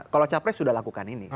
kalau capres sudah lakukan ini